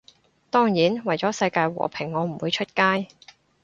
當然，為咗世界和平我唔會出街